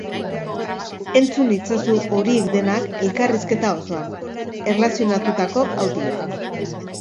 Entzun itzazu horiek denak elkarrizketa osoan, erlazionatutako audioan.